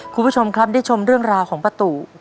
คุณผู้ชมครับได้ชมเรื่องราวของป้าตู